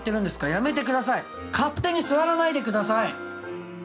やめてください勝手に座らないでください！